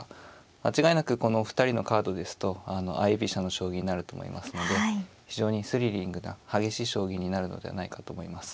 間違いなくこのお二人のカードですと相居飛車の将棋になると思いますので非常にスリリングな激しい将棋になるのではないかと思います。